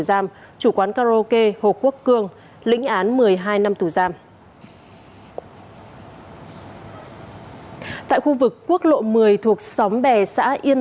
giam chủ quán karaoke hồ quốc cương lĩnh án một mươi hai năm tù giam tại khu vực quốc lộ một mươi thuộc xóm bè xã yên